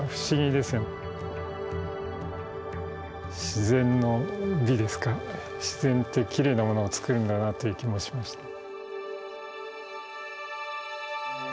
自然の美ですか自然ってきれいなものをつくるんだなという気もしました。